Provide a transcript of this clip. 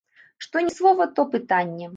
Што ні слова, то пытанне.